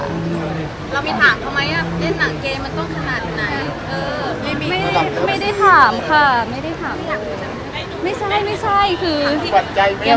เรามีถามเขาไหมเล่นหนังเกมมันต้องขนาดไหน